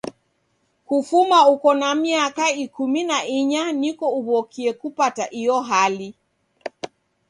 Kufuma uko na miaka ikumi na inya niko uw'okie kupata iyo hali.